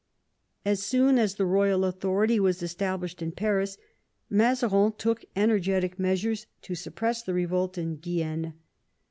As soon as the royal authority was established in Paris, Mazarin took energetic measures to suppress the revolt in Guienne.